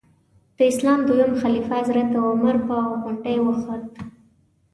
د اسلام دویم خلیفه حضرت عمر په غونډۍ وخوت.